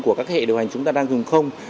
của các hệ điều hành chúng ta đang dùng không